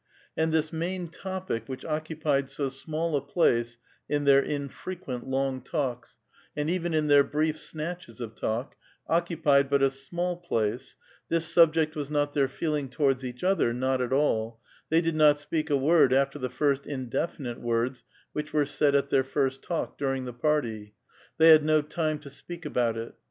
And this main topic which occupied so small a place in their infrequent long talks, and even in tlieir brief snatches of talk, occupied but a small place, — this subject was not their feeling towards each other, — not at all ; they did not speak a word after the first indefinite words which were said at their first talk during the party ; they had no time to speak about it.